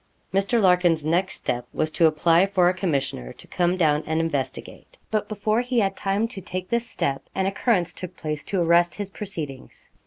Mr. Larkin's next step was to apply for a commissioner to come down and investigate. But before he had time to take this step, an occurrence took place to arrest his proceedings.